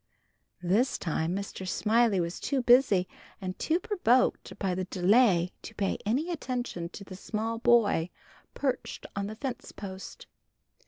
This time Mr. Smiley was too busy and too provoked by the delay to pay any attention to the small boy perched on the fence post.